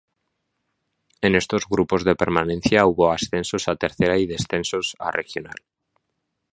En estos grupos de permanencia hubo ascensos a Tercera y descensos a Regional.